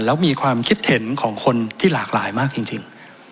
แล้วมีความคิดเห็นของคนที่หลากหลายมากจริง